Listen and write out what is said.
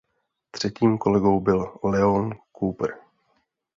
Třetím kolegou byl Leon Cooper.